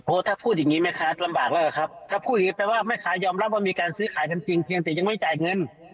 ถ้าพูดอย่างงี้แม่ค้าลำบากแล้วครับถ้าพูดอย่างงีแปลว่าแม่ค้ายอมรับว่ามีการซื้อขายกันจริงเพียงแต่ยังไม่จ่ายเงิน